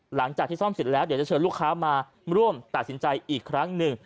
หลังจากที่ซ่อมเสร็จแล้วเดี๋ยวจะเชิญลูกค้ามาร่วมตัดสินใจอีกครั้งหนึ่ง